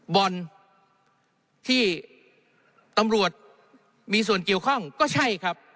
บอลที่ตำรวจมีส่วนเกี่ยวข้องก็ใช่ครับ